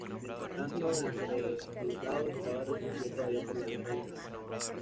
Mientras tanto, el ducado estaba resentido todavía por la Guerra de los Treinta Años.